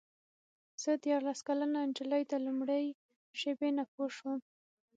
زه دیارلس کلنه نجلۍ د لومړۍ شېبې نه پوه شوم.